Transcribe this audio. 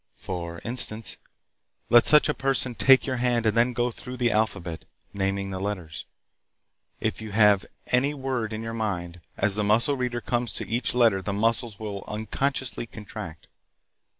For instance, let such a person take your hand and then go through the alphabet, naming the letters. If you have any word in your mind, as the muscle reader comes to each letter the muscles will unconsciously contract.